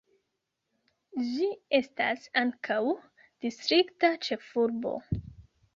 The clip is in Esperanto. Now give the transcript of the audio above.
Ĝi estas ankaŭ distrikta ĉefurbo.